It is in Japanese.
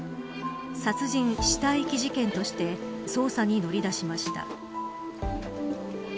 殺人・死体遺棄事件として捜査に乗り出しました。